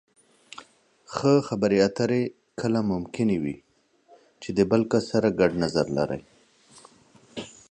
ښه خبرې اترې کله ممکنې وي چې د بل کس سره ګډ نظر لرئ.